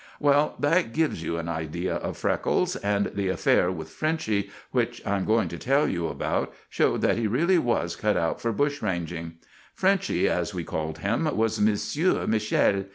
Well, that gives you an idea of Freckles, and the affair with Frenchy, which I am going to tell you about, showed that he really was cut out for bushranging. Frenchy, as we called him, was Monsieur Michel.